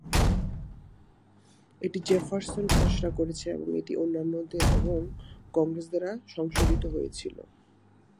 এটি জেফারসন খসড়া করেছেন এবং এটি অন্যান্যদের এবং কংগ্রেস দ্বারা সংশোধিত হয়েছিল।